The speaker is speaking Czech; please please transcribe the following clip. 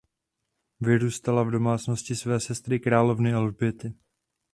Vyrůstala v domácnosti své sestry královny Alžběty.